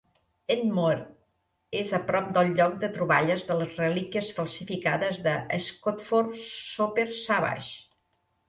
Edmore és a prop del lloc de troballes de les relíquies falsificades de Scotford-Soper-Savage.